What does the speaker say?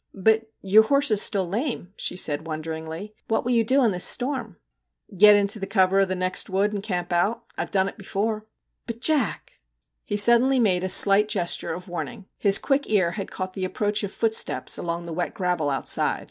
' But your horse is still lame/ she said won deringly. ' What will you do in this storm ?'* Get into the cover of the next wood and camp out. I Ve done it before/ 'But Jack!' MR. JACK HAMLIN'S MEDIATION 29 He suddenly made a slight gesture of warn ing. His quick ear had caught the approach of footsteps along the wet gravel outside.